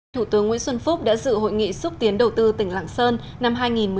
thủ tướng nguyễn xuân phúc đã dự hội nghị xúc tiến đầu tư tỉnh lạng sơn năm hai nghìn một mươi chín